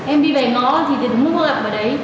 em đi về ngõ thì đúng không gặp ở đấy